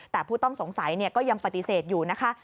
แต่ผู้ต้องสงสัยก็ยังปฏิเสธอยู่นะคะ